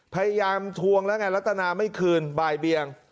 ทวงแล้วไงรัฐนาไม่คืนบ่ายเบียง